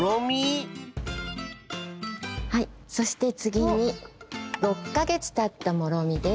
はいそしてつぎに６かげつたったもろみです。